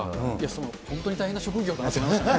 その本当に大変な職業だなと思いましたね。